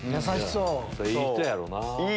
いい人やろうなぁ。